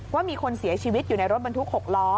ว่ามีคนเสียชีวิตอยู่ในรถบรรทุก๖ล้อ